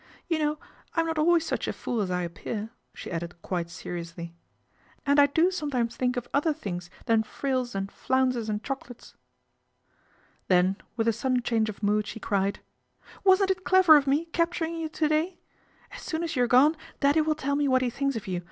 ' You know I'm not always such a fool I appear," she added quite seriously, " and I o sometimes think of other things than frills and >unces and chocolates." Then with a sudden hange of mood she cried, " Wasn't it clever of ne capturing you to day ? As soon as you're ;one Daddy will tell me what he thinks of you, .